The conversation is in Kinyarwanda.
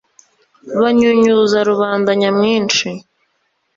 banyunyuza rubanda nyamwinshi